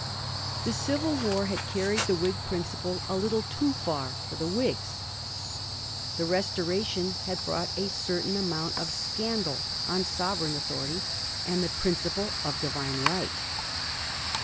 The civil war had carried the Whig principle a little too fer for the Whigs. The Restoration had brought a certain amount of scandal on sovereign authority and the principle of Divine right.